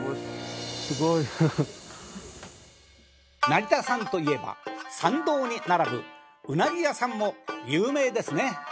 成田山といえば参道に並ぶうなぎ屋さんも有名ですね。